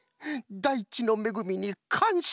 だいちのめぐみにかんしゃ。